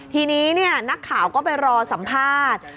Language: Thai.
ทีนี้นักข่าวก็ไปรอสัมภาษณ์